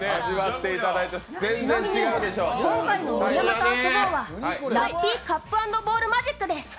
今回の「盛山と遊ぼう」はラッピーカップ＆ボールマジックです。